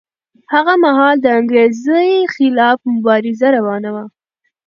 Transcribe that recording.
هغه مهال د انګریزۍ خلاف مبارزه روانه وه.